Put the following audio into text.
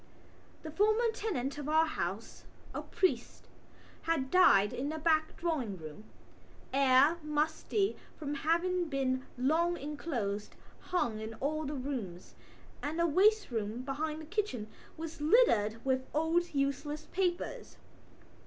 The former tenant of our house, a priest, had died in the back drawing room. Air, musty from having been long enclosed, hung in all the rooms, and the waste room behind the kitchen was littered with old useless papers.